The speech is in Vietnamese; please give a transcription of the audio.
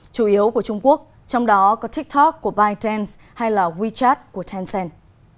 chủ yếu của trung quốc trong đó có tiktok của bytedance hay wechat của tencent